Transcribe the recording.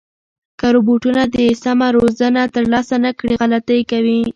که روبوټونه د سمه روزنه ترلاسه نه کړي، غلطۍ کوي.